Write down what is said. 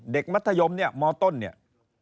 มัธยมเนี่ยมต้นเนี่ย